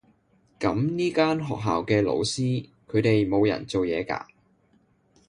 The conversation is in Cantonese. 噉呢間學校嘅老師，佢哋冇人做嘢㗎？